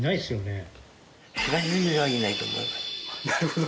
なるほど。